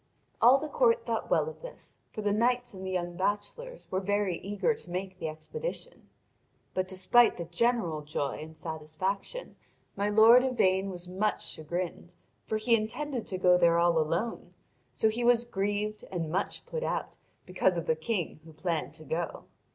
All the court thought well of this, for the knights and the young bachelors were very eager to make the expedition. But despite the general joy and satisfaction my lord Yvain was much chagrined, for he intended to go there all alone; so he was grieved and much put out because of the King who planned to go.